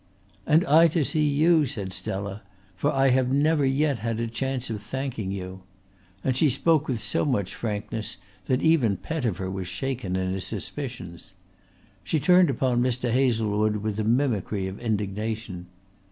"And I to see you," said Stella, "for I have never yet had a chance of thanking you"; and she spoke with so much frankness that even Pettifer was shaken in his suspicions. She turned upon Mr. Hazlewood with a mimicry of indignation.